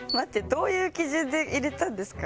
どういう基準で入れたんですか？